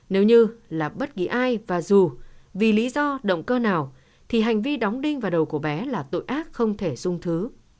nếu như là bất kỳ ai và dù vì lý do động cơ nào thì hành vi đóng đinh và đầu của bé là tội ác không thể dung thứ